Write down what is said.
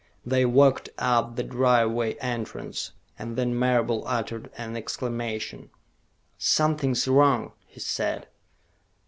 They walked up the driveway entrance, and then Marable uttered an exclamation. "Something's wrong," he said.